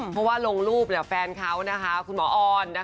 เพราะว่ารูปแฟนเขาคุณหมอออน